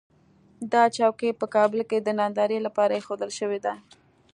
دا چوکۍ په کابل کې د نندارې لپاره اېښودل شوې ده.